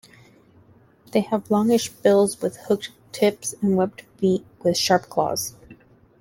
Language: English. They have longish bills with hooked tips and webbed feet with sharp claws.